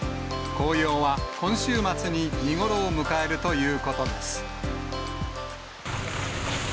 紅葉は今週末に見頃を迎えるということです。